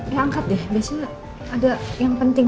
dia angkat deh biasanya ada yang penting